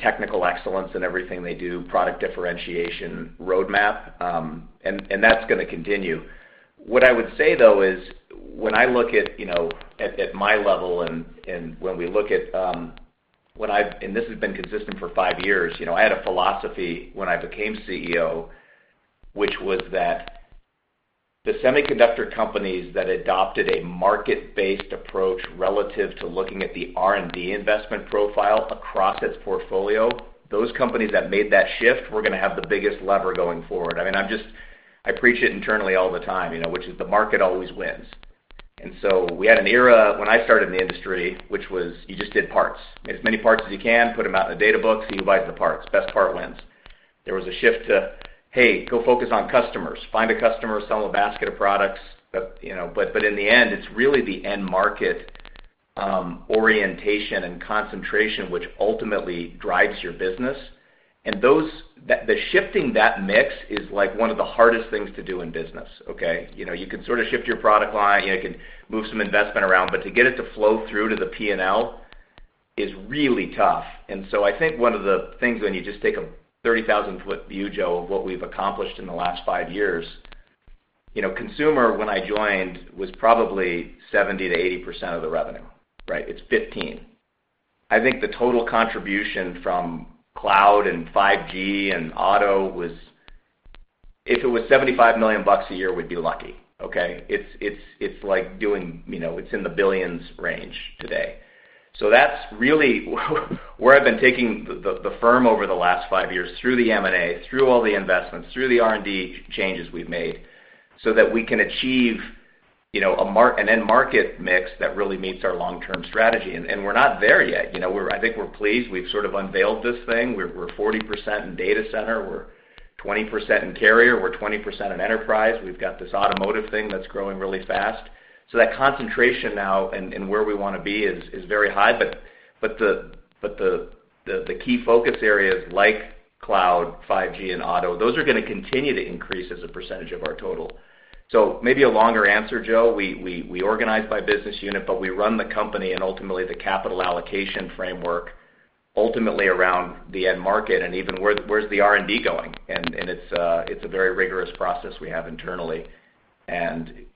S3: technical excellence in everything they do, product differentiation roadmap, and that's going to continue. What I would say though is when I look at my level and this has been consistent for five years. I had a philosophy when I became CEO, which was that the semiconductor companies that adopted a market-based approach relative to looking at the R&D investment profile across its portfolio, those companies that made that shift were going to have the biggest lever going forward. I preach it internally all the time, which is the market always wins. We had an era when I started in the industry, which was you just did parts, get as many parts as you can, put them out in the data books. Who buys the parts? Best part wins. There was a shift to, hey, go focus on customers. Find a customer, sell them a basket of products. In the end, it's really the end market orientation and concentration which ultimately drives your business. The shifting that mix is like one of the hardest things to do in business, okay. You can sort of shift your product line, you can move some investment around, but to get it to flow through to the P&L is really tough. I think one of the things, when you just take a 30,000-foot view, Joe, of what we've accomplished in the last five years. Consumer, when I joined, was probably 70% to 80% of the revenue, right? It's 15.I think the total contribution from cloud and 5G and auto, if it was $75 million a year, we'd be lucky, okay? It's in the billions range today. That's really where I've been taking the firm over the last five years, through the M&A, through all the investments, through the R&D changes we've made, so that we can achieve an end market mix that really meets our long-term strategy. We're not there yet. I think we're pleased we've sort of unveiled this thing. We're 40% in data center, we're 20% in carrier, we're 20% in enterprise. We've got this automotive thing that's growing really fast. That concentration now and where we want to be is very high, but the key focus areas like cloud, 5G, and auto, those are going to continue to increase as a percentage of our total. Maybe a longer answer, Joe. We organize by business unit, but we run the company and ultimately the capital allocation framework ultimately around the end market and even where's the R&D going. It's a very rigorous process we have internally, and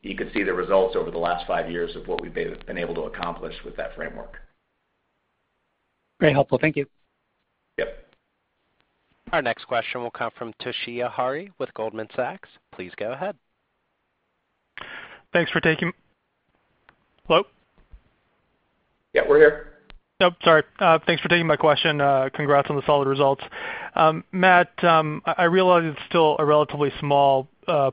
S3: you could see the results over the last five years of what we've been able to accomplish with that framework.
S13: Very helpful. Thank you.
S3: Yep.
S1: Our next question will come from Toshiya Hari with Goldman Sachs. Please go ahead.
S14: Hello?
S3: Yeah, we're here.
S14: Oh, sorry. Thanks for taking my question. Congrats on the solid results. Matt, I realize it's still a relatively small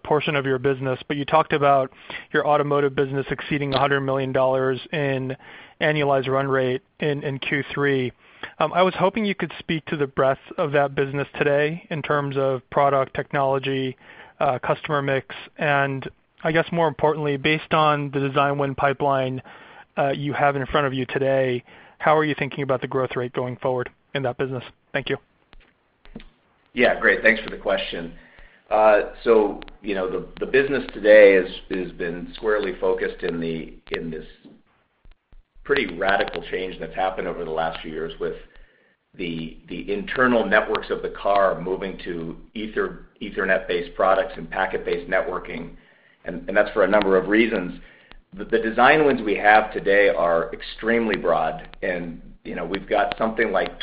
S14: portion of your business, but you talked about your automotive business exceeding $100 million in annualized run rate in Q3. I was hoping you could speak to the breadth of that business today in terms of product technology, customer mix, and I guess more importantly, based on the design win pipeline you have in front of you today, how are you thinking about the growth rate going forward in that business? Thank you.
S3: Yeah, great. Thanks for the question. The business today has been squarely focused in this pretty radical change that's happened over the last few years with the internal networks of the car moving to Ethernet-based products and packet-based networking, and that's for a number of reasons. The design wins we have today are extremely broad, and we've got something like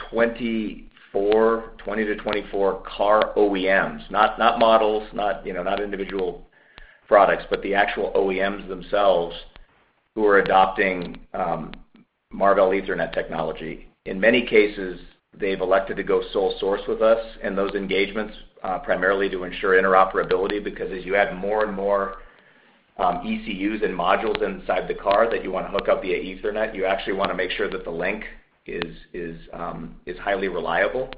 S3: 20 to 24 car OEMs, not models, not individual products, but the actual OEMs themselves who are adopting Marvell Ethernet technology. In many cases, they've elected to go sole source with us in those engagements, primarily to ensure interoperability, because as you add more and more ECUs and modules inside the car that you want to hook up via Ethernet, you actually want to make sure that the link is highly reliable.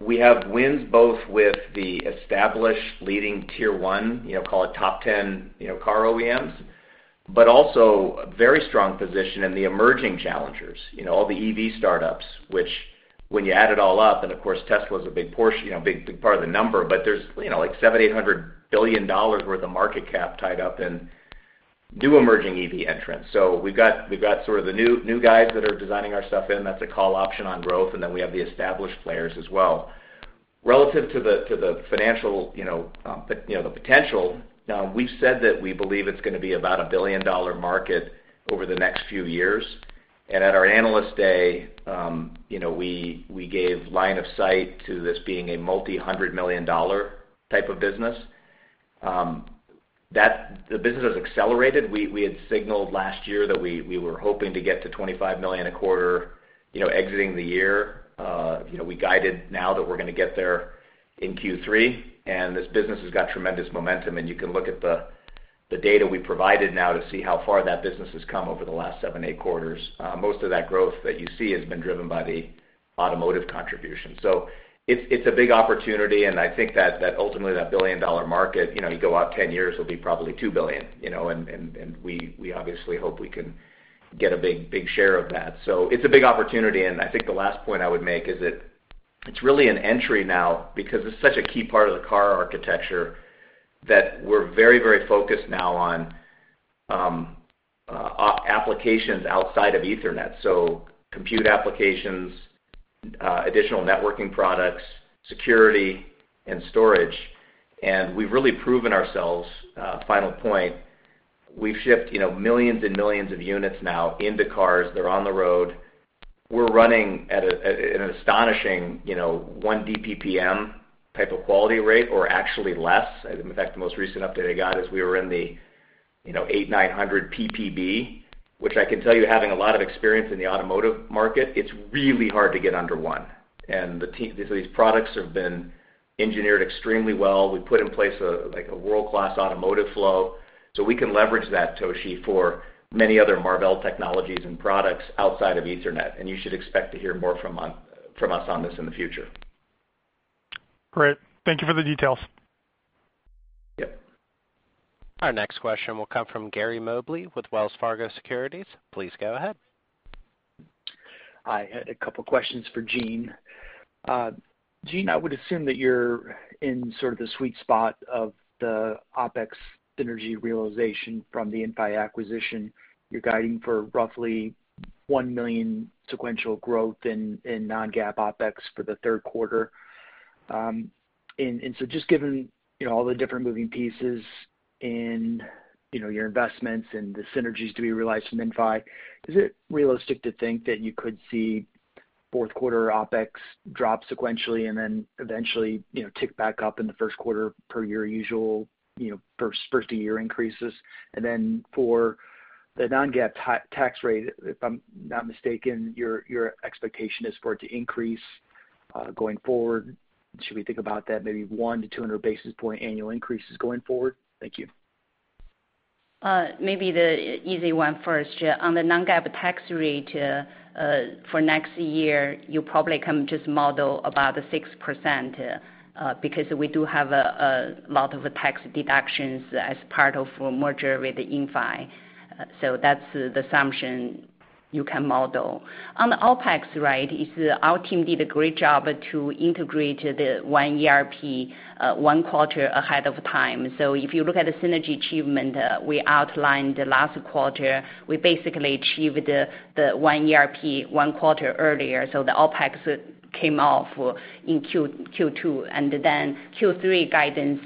S3: We have wins both with the established leading tier one, call it top 10 car OEMs, but also a very strong position in the emerging challengers. All the EV startups, which when you add it all up, and of course Tesla is a big part of the number, but there's $700 billion-$800 billion worth of market cap tied up in new emerging EV entrants. We've got sort of the new guys that are designing our stuff in, that's a call option on growth, and then we have the established players as well. Relative to the potential, we've said that we believe it's going to be about a billion-dollar market over the next few years. At our Analyst Day, we gave line of sight to this being a multi-$100 million type of business. The business has accelerated. We had signaled last year that we were hoping to get to $25 million a quarter exiting the year. We guided now that we're going to get there in Q3, and this business has got tremendous momentum, and you can look at the data we provided now to see how far that business has come over the last seven, eight quarters. Most of that growth that you see has been driven by the automotive contribution. It's a big opportunity, and I think that ultimately that billion-dollar market, you go out 10 years, it'll be probably $2 billion, and we obviously hope we can get a big share of that. It's a big opportunity, and I think the last point I would make is that it's really an entry now because it's such a key part of the car architecture that we're very focused now on applications outside of Ethernet. Compute applications, additional networking products, security, and storage. We've really proven ourselves, final point, we've shipped millions and millions of units now into cars. They're on the road. We're running at an astonishing one DPPM type of quality rate or actually less. In fact, the most recent update I got is we were in the 800, 900 PPB, which I can tell you, having a lot of experience in the automotive market, it's really hard to get under one. These products have been engineered extremely well. We put in place a world-class automotive flow. We can leverage that, Toshi, for many other Marvell technologies and products outside of Ethernet, and you should expect to hear more from us on this in the future.
S14: Great. Thank you for the details.
S3: Yep.
S1: Our next question will come from Gary Mobley with Wells Fargo Securities. Please go ahead.
S15: I had a couple questions for Jean. Jean, I would assume that you're in sort of the sweet spot of the OpEx synergy realization from the Inphi acquisition. You're guiding for roughly $1 million sequential growth in non-GAAP OpEx for the third quarter. Just given all the different moving pieces in your investments and the synergies to be realized from Inphi, is it realistic to think that you could see fourth quarter OpEx drop sequentially and then eventually tick back up in the first quarter per your usual first-of-year increases? For the non-GAAP tax rate, if I'm not mistaken, your expectation is for it to increase going forward. Should we think about that maybe 1 to 200 basis point annual increases going forward? Thank you.
S4: Maybe the easy one first. On the non-GAAP tax rate, for next year, you probably can just model about 6%, because we do have a lot of tax deductions as part of merger with Inphi. That's the assumption you can model. On the OpEx, our team did a great job to integrate the one ERP one quarter ahead of time. If you look at the synergy achievement we outlined last quarter, we basically achieved the one ERP one quarter earlier. The OpEx came off in Q2. Q3 guidance,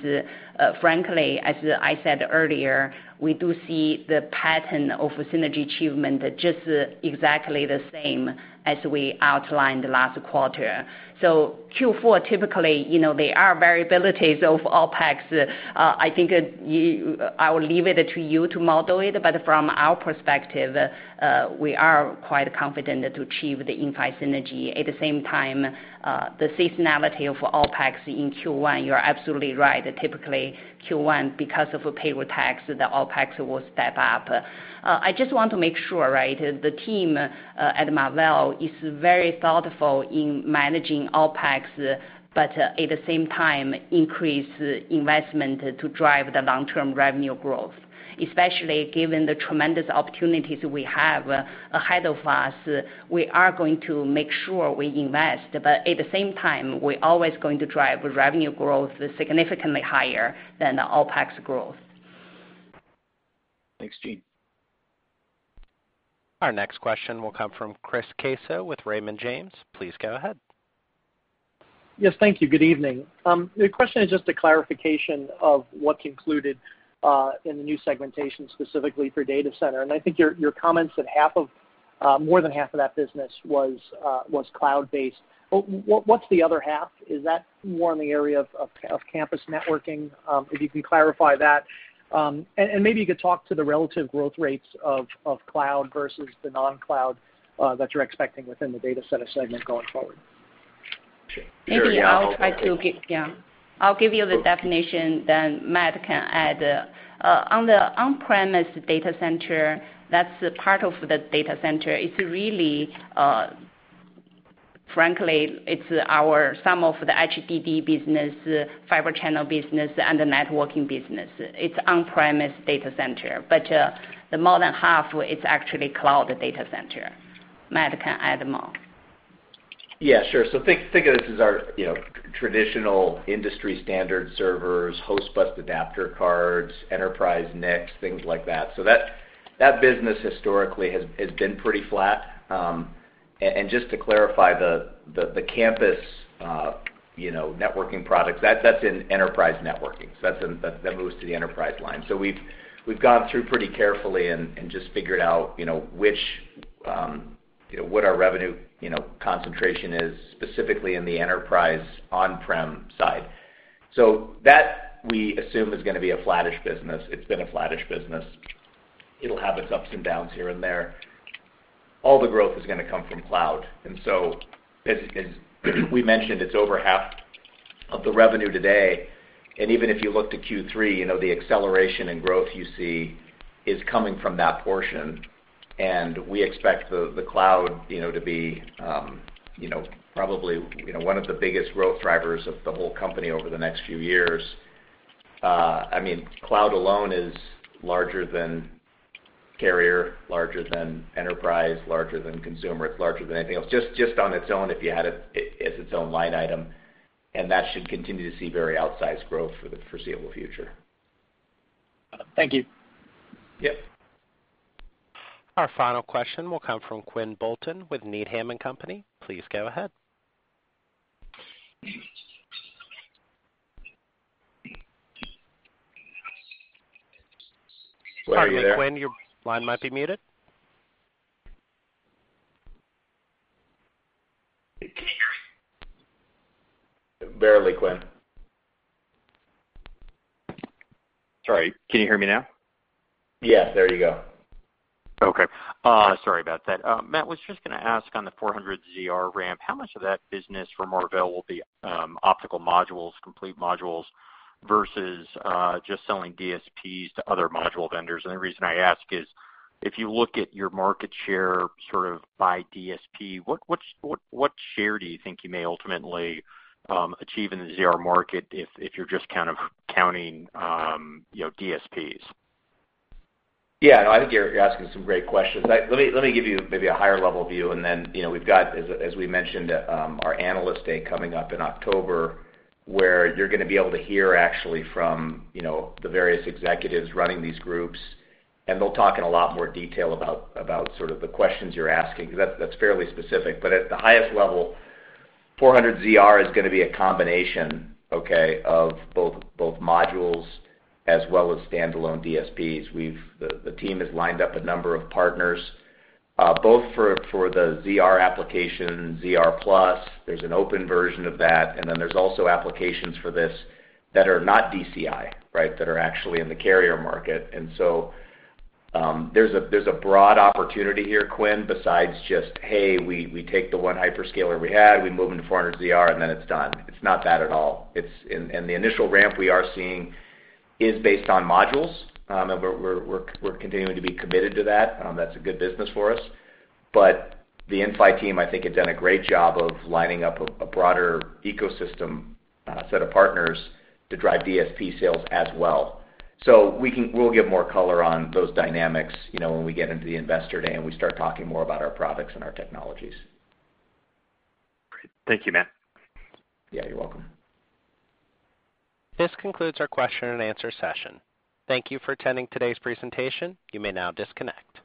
S4: frankly, as I said earlier, we do see the pattern of synergy achievement just exactly the same as we outlined last quarter. Q4, typically, there are variabilities of OpEx. I think I will leave it to you to model it, but from our perspective, we are quite confident to achieve the Inphi synergy. At the same time, the seasonality of OpEx in Q1, you're absolutely right. Typically Q1, because of payroll tax, the OpEx will step up. I just want to make sure. The team at Marvell is very thoughtful in managing OpEx, but at the same time, increase investment to drive the long-term revenue growth. Especially given the tremendous opportunities we have ahead of us, we are going to make sure we invest. At the same time, we always going to drive revenue growth significantly higher than the OpEx growth.
S15: Thanks, Jean.
S1: Our next question will come from Chris Caso with Raymond James. Please go ahead.
S16: Yes, thank you. Good evening. The question is just a clarification of what's included in the new segmentation, specifically for data center. I think your comments that more than half of that business was cloud-based. What's the other half? Is that more in the area of campus networking? If you can clarify that, and maybe you could talk to the relative growth rates of cloud versus the non-cloud, that you're expecting within the data center segment going forward.
S4: Maybe I'll try to give Yeah. I'll give you the definition, then Matt can add. On the on-premise data center, that's part of the data center. It's really, frankly, it's our sum of the HDD business, Fibre Channel business, and the networking business. It's on-premise data center. The more than half, it's actually cloud data center. Matt can add more.
S3: Yeah, sure. Think of this as our traditional industry standard servers, host bus adapter cards, enterprise NICs, things like that. That business historically has been pretty flat. Just to clarify the campus networking products, that's in enterprise networking. That moves to the enterprise line. We've gone through pretty carefully and just figured out what our revenue concentration is specifically in the enterprise on-prem side. That we assume is going to be a flattish business. It's been a flattish business. It'll have its ups and downs here and there. All the growth is going to come from cloud. As we mentioned, it's over half of the revenue today, and even if you looked at Q3, the acceleration in growth you see is coming from that portion. We expect the cloud to be probably one of the biggest growth drivers of the whole company over the next few years. Cloud alone is larger than carrier, larger than enterprise, larger than consumer. It's larger than anything else, just on its own, if you had it as its own line item. That should continue to see very outsized growth for the foreseeable future.
S16: Thank you.
S3: Yep.
S1: Our final question will come from Quinn Bolton with Needham & Company. Please go ahead. Are you there? Sorry, Quinn, your line might be muted.
S17: Can you hear me?
S1: Barely, Quinn.
S17: Sorry. Can you hear me now?
S3: Yes. There you go.
S17: Okay. Sorry about that. Matt, was just going to ask on the 400ZR ramp, how much of that business for Marvell will be optical modules, complete modules, versus just selling DSPs to other module vendors? The reason I ask is if you look at your market share sort of by DSP, what share do you think you may ultimately achieve in the ZR market if you're just kind of counting DSPs?
S3: Yeah, I think you're asking some great questions. Let me give you maybe a higher level view, and then we've got, as we mentioned, our analyst day coming up in October, where you're going to be able to hear actually from the various executives running these groups, and they'll talk in a lot more detail about sort of the questions you're asking. That's fairly specific. At the highest level, 400ZR is going to be a combination of both modules as well as standalone DSPs. The team has lined up a number of partners, both for the ZR application, ZR+, there's an open version of that, and then there's also applications for this that are not DCI that are actually in the carrier market. There's a broad opportunity here, Quinn, besides just, hey, we take the one hyperscaler we had, we move into 400ZR, and then it's done. It's not that at all. The initial ramp we are seeing is based on modules. We're continuing to be committed to that. That's a good business for us. The Inphi team I think have done a great job of lining up a broader ecosystem set of partners to drive DSP sales as well. We'll give more color on those dynamics when we get into the investor day and we start talking more about our products and our technologies.
S17: Great. Thank you, Matt.
S3: Yeah, you're welcome.
S1: This concludes our question and answer session. Thank you for attending today's presentation. You may now disconnect.